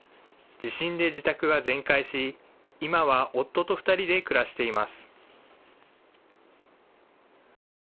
地震で自宅は全壊し、今は夫と２人で暮らしています。